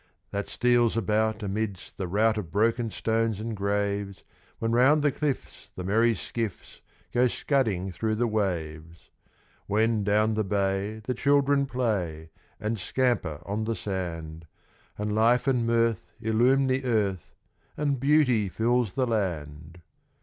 That steals about amidst the rout of broken stones and graves, When round the cliffs the merry skiffs go scudding through the waves; When, down the bay, the children play, and scamper on the sand, And Life and Mirth illume the Earth, and Beauty fills the Land!